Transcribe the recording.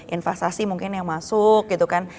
investasi mungkin yang masuk gitu kan